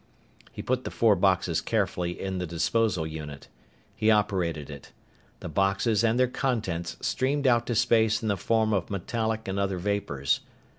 He put the four boxes carefully in the disposal unit. He operated it. The boxes and their contents streamed out to space in the form of metallic and other vapors.